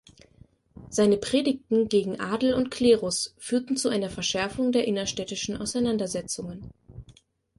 Seine Predigten gegen Adel und Klerus führten zu einer Verschärfung der innerstädtischen Auseinandersetzungen.